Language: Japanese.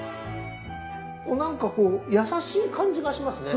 なんかこう優しい感じがしますね。